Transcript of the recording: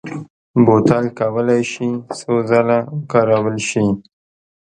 بوتل کولای شي څو ځله وکارول شي.